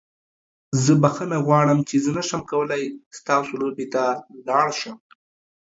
زه بخښنه غواړم چې زه نشم کولی ستاسو لوبې ته لاړ شم.